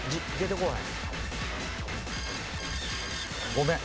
ごめん。